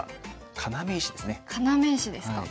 要石ですか。